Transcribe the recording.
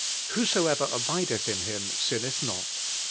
Whosoever abideth in Him sinneth not.